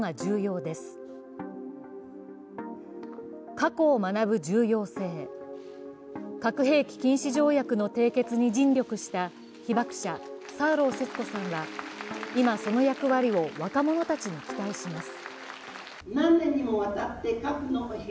過去を学ぶ重要性、核兵器禁止条約の締結に尽力した被爆者・サーロー節子さんは今、その役割を若者たちに期待します。